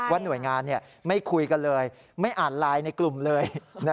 หน่วยงานไม่คุยกันเลยไม่อ่านไลน์ในกลุ่มเลย